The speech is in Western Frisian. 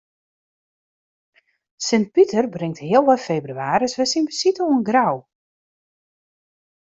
Sint Piter bringt healwei febrewaris wer syn besite oan Grou.